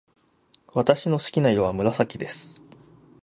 私の好きな色は紫です。